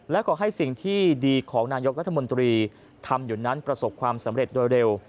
และขอให้สิ่งที่ดีของนายกรัฐมนตรีทำอยู่นั้นประสบความสำเร็จโดยเร็ว